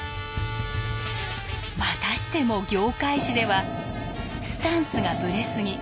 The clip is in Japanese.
またしても業界誌では「スタンスがブレすぎ」